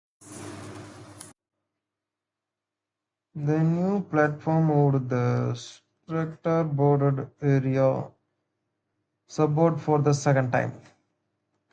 The new platform moved the streetcar boarding area southbound for the second time.